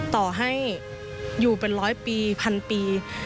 ต่อให้อยู่เป็นร้อยปีพันปี